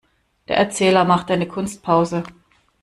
Der Erzähler machte eine Kunstpause.